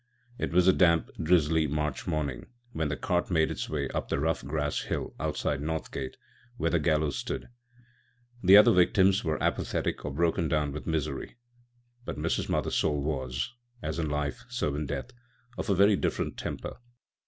It was a damp, drizzly March morning when the cart made its way up the rough grass, hill outside Northgate, where the gallows stood. The other victims were apathetic or broken down with misery; but Mrs Mothersole was, as in life so in death, of a very different temper.